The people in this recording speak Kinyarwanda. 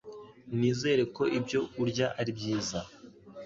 Nizere ko ibyo urya ari byiza.